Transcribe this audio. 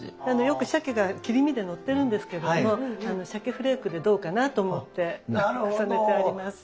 よくシャケが切り身でのってるんですけどもシャケフレークでどうかな？と思って重ねてあります。